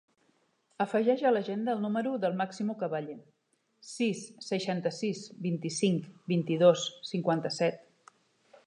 Afegeix a l'agenda el número del Máximo Caballe: sis, seixanta-sis, vint-i-cinc, vint-i-dos, cinquanta-set.